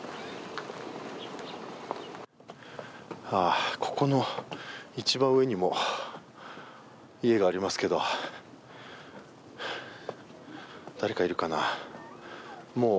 ああ、ここの一番上にも家がありますけど、誰かいるかな。